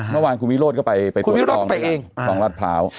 เมื่อวานคุณวิโรธก็ไปตรวจครองรัฐพร้าว